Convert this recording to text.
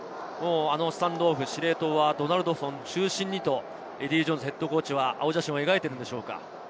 スタンドオフ、司令塔はドナルドソン中心にとエディー・ジョーンズＨＣは青写真を描いているんでしょうか。